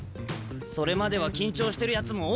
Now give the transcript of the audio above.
それまでは緊張してるやつも多かった。